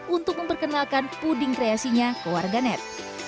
untuk memperkenalkan puding kreasinya ke warganet